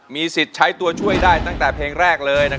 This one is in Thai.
มีสิทธิ์ใช้ตัวช่วยได้ตั้งแต่เพลงแรกเลย